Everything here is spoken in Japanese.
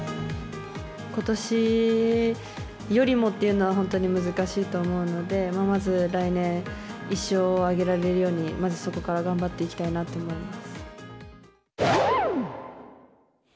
ことしよりもっていうのは、本当に難しいと思うので、まず来年、１勝を挙げられるように、まずそこから頑張っていきたいなと思います。